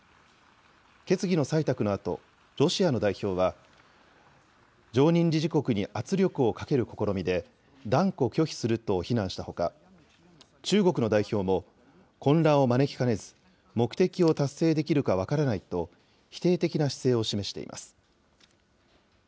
決議の採択のあと、ロシアの代表は、常任理事国に圧力をかける試みで、断固拒否すると非難したほか、中国の代表も混乱を招きかねず、目的を達成できるか分からないと、否定的な姿勢を示しています。